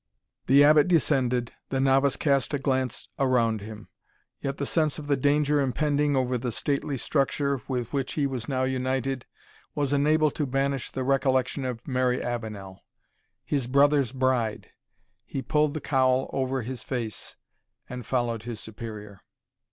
The Abbot descended, the novice cast a glance around him; yet the sense of the danger impending over the stately structure, with which he was now united, was unable to banish the recollection of Mary Ayenel. "His brother's bride!" he pulled the cowl over his face, and followed his Superior.